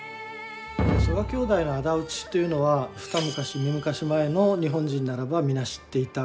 曽我兄弟の仇討ちというのは二昔三昔前の日本人ならば皆知っていた。